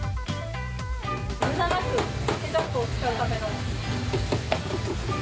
むだなくケチャップを使うための。